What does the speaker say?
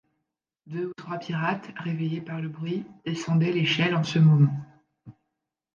Deux ou trois pirates, réveillés par le bruit, descendaient l’échelle en ce moment.